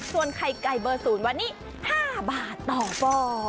ส่วนไข่ไก่เบอร์ศูนย์วันนี้๕บาทต่อบ่อ